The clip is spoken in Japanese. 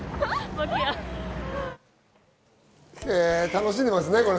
楽しんでますね。